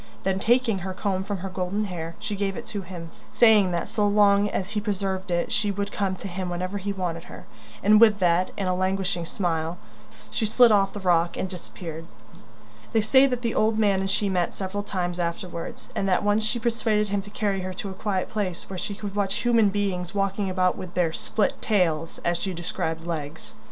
Then, taking her comb from her golden hair, she gave it to him, saying that so long as he preserved it she would come to him whenever he wanted her; and with that, and a languishing smile, she slid off the rock and disappeared. They say that the old man and she met several times afterwards, and that once she persuaded him to carry her to a quiet place where she could watch human beings walking about with their "split tails," as she described legs.